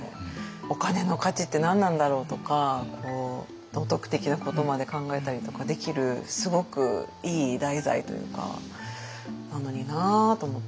お金の価値って何なんだろうとか道徳的なことまで考えたりとかできるすごくいい題材というかなのになと思って。